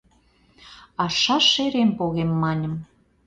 Аршаш шерем погем, маньым